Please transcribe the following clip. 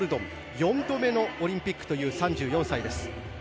４度目のオリンピックという３４歳です。